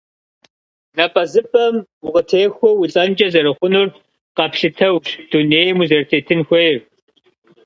Напӏэзыпӏэм укъытехуэу улӏэнкӏэ зэрыхъунур къэплъытэущ дунейм узэрытетын хуейр.